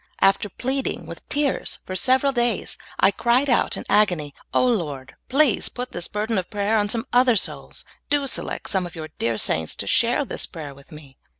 After pleading with tears for several days, I cried out in an agony, "O lyord,* please put this burden of prayer on some other souls ; do select some of your dear saints to share this pra3^er with me."